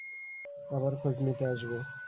আবার খোঁজ নিতে আসবো।